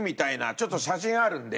ちょっと写真あるんで。